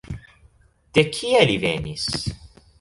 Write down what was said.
De kie li venis?